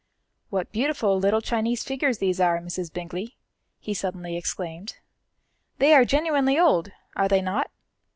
"What beautiful little Chinese figures these are, Mrs. Bingley," he suddenly exclaimed. "They are genuinely old, are they not?